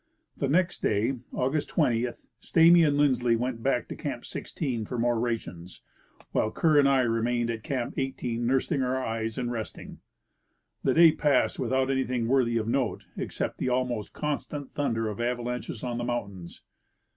The next day, August 20, Stamy and Lindsley Went back to Camp 16 for more rations, while Kerr and I remained at Camp 18 nursing our eyes and resting. The day passed without any thing worthy of note, except the almost constant thunder of avalanches on the mountains.